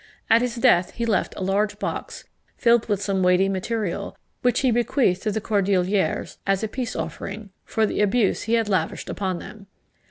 At his death he left a large box, filled with some weighty material, which he bequeathed to the Cordeliers, as a peace offering, for the abuse he had lavished upon them.